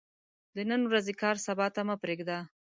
د نن ورځې کار سبا ته مه پريږده